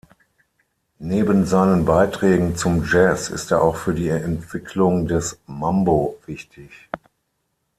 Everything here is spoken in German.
Neben seinen Beiträgen zum Jazz ist er auch für die Entwicklung des Mambo wichtig.